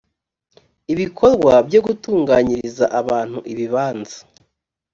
ibikorwa byo gutunganyiriza abantu ibibanza